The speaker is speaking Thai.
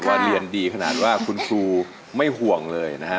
เรียนดีขนาดว่าคุณครูไม่ห่วงเลยนะฮะ